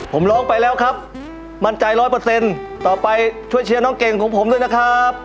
ทุกคนรอติดตามชมผมด้วยนะครับ